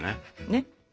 ねっ。